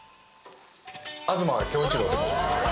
東京一郎と申します。